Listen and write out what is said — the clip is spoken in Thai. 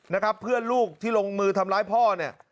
นะครับเพื่อนลูกที่ลงมือทำร้ายพ่อเนี่ย